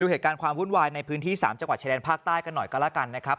เหตุการณ์ความวุ่นวายในพื้นที่๓จังหวัดชายแดนภาคใต้กันหน่อยก็แล้วกันนะครับ